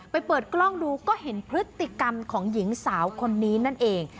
เปิดกล้องดูก็เห็นพฤติกรรมของหญิงสาวคนนี้นั่นเอง